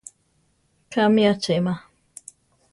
Kámi achema.